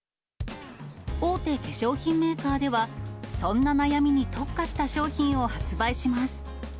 大手化粧品メーカーでは、そんな悩みに特化した商品を発売します。